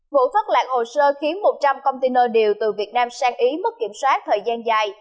vụ thất lạc hồ sơ khiến một trăm linh container điều từ việt nam sang ý mất kiểm soát thời gian dài